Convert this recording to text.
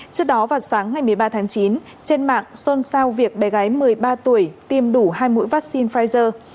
trước đó vào sáng ngày một mươi ba tháng chín trên mạng xôn xao việc bé gái một mươi ba tuổi tiêm đủ hai mũi vaccine pfizer